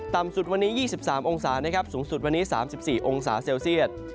ต่ำสุดวันนี้๒๓องศานะครับสูงสุดวันนี้๓๔องศาเซลเซียต